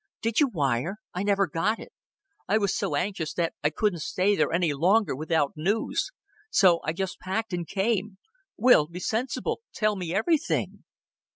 "Did you wire? I never got it. I was so anxious that I couldn't stay there any longer without news. So I just packed and came. Will be sensible. Tell me everything."